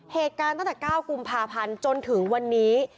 เหตุการณ์ตั้งแต่๙กุมภาพันธ์จนถึงวันนี้